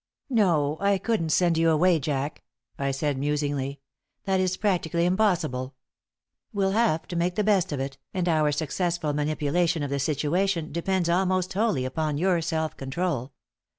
"No, I couldn't send you away, Jack," I said, musingly; "that is practically impossible. We'll have to make the best of it, and our successful manipulation of the situation depends almost wholly upon your self control.